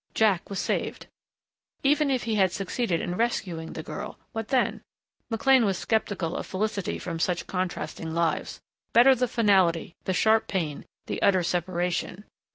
Jack was saved. Even if he had succeeded in rescuing the girl what then? McLean was skeptical of felicity from such contrasting lives. Better the finality, the sharp pain, the utter separation.